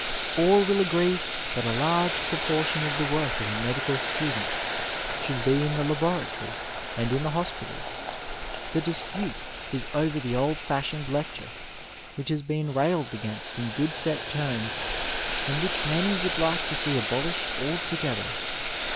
All will agree that a large proportion of the work of a medical stu dent should be in the laboratory and in the hospital. The dispute is over the old fashioned lecture, which has been railed against in good set terms, and which many would like to see abolished altogether.